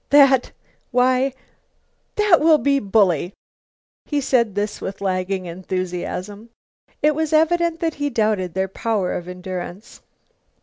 "That why, that will be bully." He said this with lagging enthusiasm. It was evident that he doubted their power of endurance.